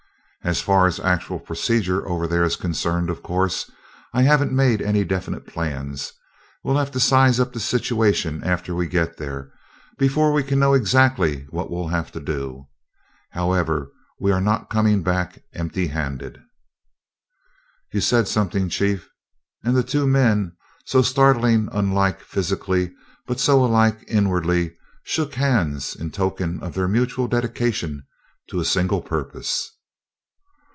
As far as actual procedure over there is concerned, of course, I haven't made any definite plans. We'll have to size up the situation after we get there before we can know exactly what we'll have to do. However, we are not coming back empty handed." "You said something, Chief!" and the two men, so startlingly unlike physically, but so alike inwardly, shook hands in token of their mutual dedication to a single purpose.